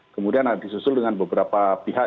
kemudian disusul dengan beberapa pihak